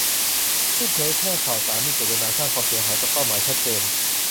ผู้เผยแพร่ข่าวสารที่มีเจตนาสร้างความเสียหายต่อเป้าหมายชัดเจน